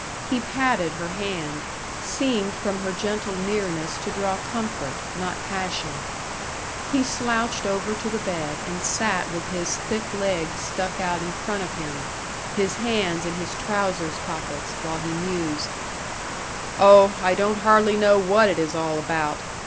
He patted her hand, seemed from her gentle nearness to draw comfort not passion. He slouched over to the bed, and sat with his thick legs stuck out in front of him, his hands in his trousers pockets, while he mused: "Oh, I don't hardly know what it is all about.